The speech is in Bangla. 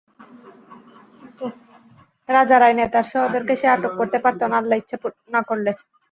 রাজার আইনে তার সহোদরকে সে আটক করতে পারত না, আল্লাহ ইচ্ছা না করলে।